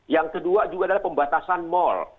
yang kedua juga adalah pembatasan mal